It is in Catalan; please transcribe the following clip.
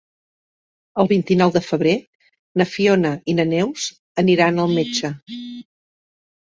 El vint-i-nou de febrer na Fiona i na Neus aniran al metge.